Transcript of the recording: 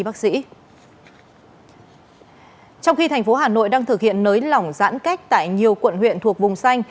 trong khi thành phố hà nội đang thực hiện nới lỏng giãn cách tại nhiều quận huyện thuộc vùng xanh